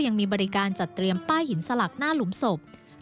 ยังมีบริการจัดเตรียมป้ายหินสลักหน้าหลุมฝังฝังฝังฝัง